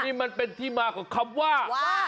นี่มันเป็นที่มาของคำว่า